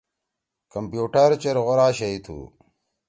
کمپیوٹر چیر غورا شئی تُھو۔